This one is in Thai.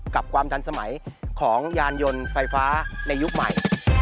ความทันสมัยของยานยนต์ไฟฟ้าในยุคใหม่